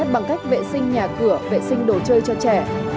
bằng cách vệ sinh nhà cửa vệ sinh đồ chơi cho trẻ